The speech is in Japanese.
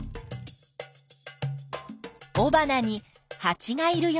おばなにハチがいるよ。